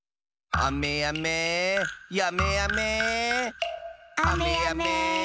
あめやめやめあめ。